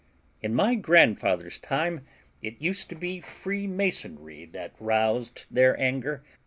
In my grandfather's time it used to be Freemasonry that roused their anger.